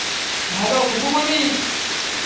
Hello, Khukumoni.